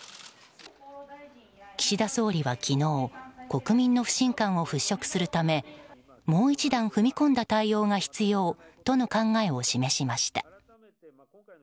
岸田総理は昨日国民の不信感を払拭するためもう一段踏み込んだ対応が必要との考えを示しました。